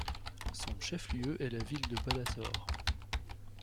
Son chef-lieu est la ville de Balasore.